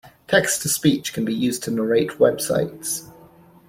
Text to speech can be used to narrate websites.